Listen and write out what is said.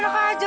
wah enak aja